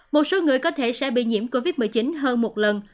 một số người có thể sẽ bị nhiễm covid một mươi chín hơn một lần